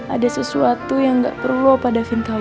ada sesuatu yang gak perlu bapak davin tau